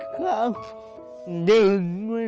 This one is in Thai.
ทำงานชื่อนางหยาดฝนภูมิสุขอายุ๕๔ปี